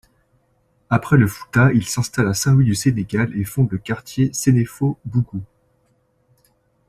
Après le Fouta, ils s'installent à Saint-Louis du Sénégal et fondent le quartier Sénéfobougou.